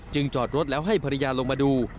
จึงจอดรถแล้วให้พรยานลงมาดู